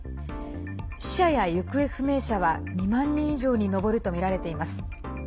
死者や行方不明者は２万人以上に上るとみられています。